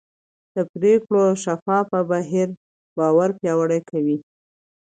د پرېکړو شفاف بهیر باور پیاوړی کوي